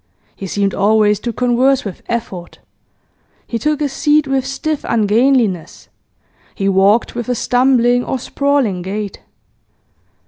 He seemed always to converse with effort; he took a seat with stiff ungainliness; he walked with a stumbling or sprawling gait.